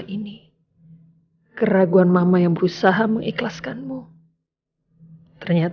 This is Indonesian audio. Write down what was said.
ini berita bahagia buat rosa buat andi buat semuanya